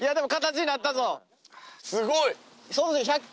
すごい！